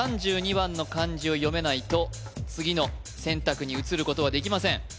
３２番の漢字を読めないと次の選択に移ることはできません